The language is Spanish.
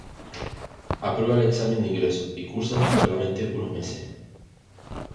Aprueba el examen de ingreso y cursa solamente unos meses.